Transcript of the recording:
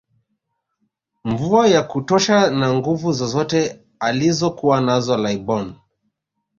Mvua ya kutosha na Nguvu zozote alizokuwa nazo laibon